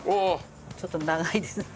ちょっと長いですね。